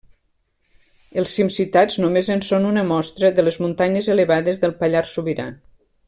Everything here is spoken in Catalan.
Els cims citats només en són una mostra, de les muntanyes elevades del Pallars Sobirà.